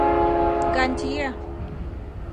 — Гантье!